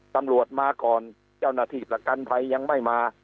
ตำรวจมาก่อนเจ้าหน้าที่ประกันภัยยังไม่มา